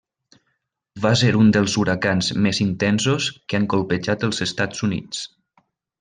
Va ser un dels huracans més intensos que han colpejat els Estats Units.